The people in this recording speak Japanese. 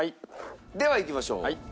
ではいきましょう。